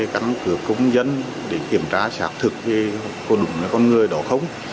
cắn cửa công dân để kiểm tra xác thực thì có đúng là con người đó không